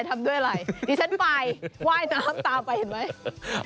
จิตใจทำด้วยอะไรที่ฉันไปว่ายน้ำตาไปเห็นไหม